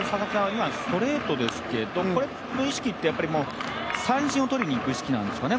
今、ストレートですけどこれの意識って三振を取りにいくって意識なんですか？